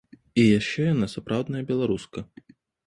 І яшчэ яна сапраўдная беларуска.